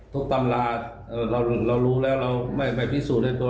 ตำราเรารู้แล้วเราไม่ไปพิสูจน์ในตัว